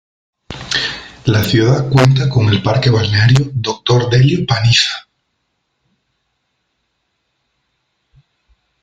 La ciudad cuenta con el parque balneario "Doctor Delio Panizza".